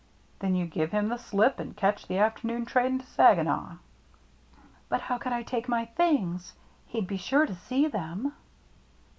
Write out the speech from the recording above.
" Then you give him the slip and catch the afternoon train to Saginaw." " But how could I take my things ? He'd be sure to see them."